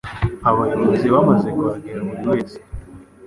Abayobozi bamaze kuhagera buri wese